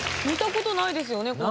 見た事ないですよね